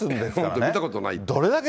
本当見たことないって。